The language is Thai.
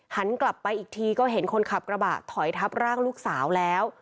หันกลับไปอีกทีก็เห็นคนขับกระบะถอยทับร่างลูกสาวแล้ว